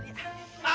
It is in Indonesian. ya ampun ran